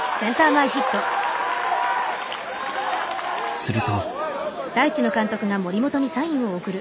すると。